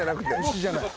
牛じゃない。